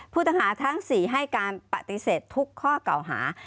ผู้ต้องหาทั้ง๔ให้การปฏิเสธทุกข้อเก่าหา